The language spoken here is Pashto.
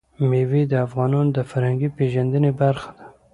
مېوې د افغانانو د فرهنګي پیژندنې برخه ده.